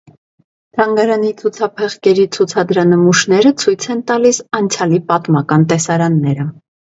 Թանգարանի ցուցափեղկերի ցուցադրանմուշները ցույց են տալիս անցյալի պատմական տեսարանները։